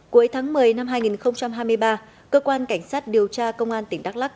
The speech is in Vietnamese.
cuối tháng một mươi năm hai nghìn hai mươi ba cơ quan cảnh sát điều tra công an tỉnh đắk lắc